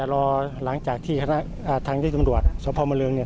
อ่าเราก็อยากจะรอหลังจากที่คณะอ่าทางที่จังหวัดสวทธิ์ภาพมะเริงเนี่ย